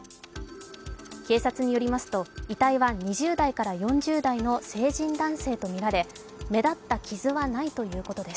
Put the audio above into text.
警察によりますと遺体は２０代から４０代の成人男性とみられ目立った傷はないということです。